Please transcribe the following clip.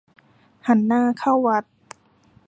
หันหน้าเข้าวัด